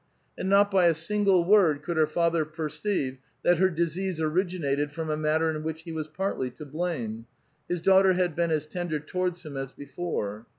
And not by a single word could her father perceive that her disease originated from a matter in which he was partly to blame ; his daughter had been as tender towards him as before.